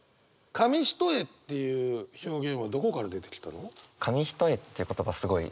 「紙一重」っていう表現はどこから出てきたの？